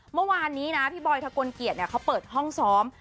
เมื่อวานนี้นะพี่บอยทะกลเกียจเขาเปิดห้องซ้อม